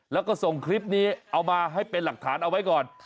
แล้วก็ส่งคลิปนี้เอามาให้เป็นหลักฐานเอาไว้ก่อน